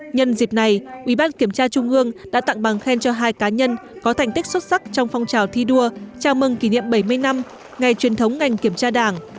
nhân dịp này ủy ban kiểm tra trung ương đã tặng bằng khen cho hai cá nhân có thành tích xuất sắc trong phong trào thi đua chào mừng kỷ niệm bảy mươi năm ngày truyền thống ngành kiểm tra đảng